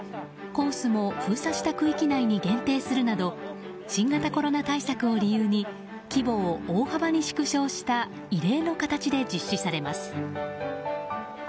コースも封鎖した区域内に限定するなど新型コロナ対策を理由に規模を大幅に縮小した異例の形で実施されます。